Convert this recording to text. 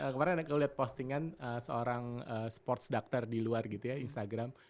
kemarin ada yang kelihatan postingan seorang sports doctor di luar gitu ya instagram